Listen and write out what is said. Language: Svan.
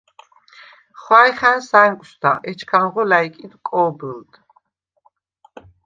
ხვა̈ჲ ხა̈ნს ა̈ნკვშდა, ეჩქანღო ლა̈ჲკიდ კო̄ბჷლდ.